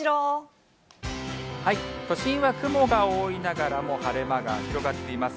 都心は雲が多いながらも晴れ間が広がっています。